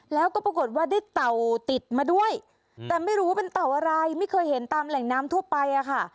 แล้วก็ปรากฏว่าเป็นเต๋าอาลัยไม่เคยเห็นตามแหล่งน้ำทั่วไปอ่ะค่ะ